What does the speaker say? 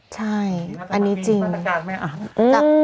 ใช่อันนี้จริง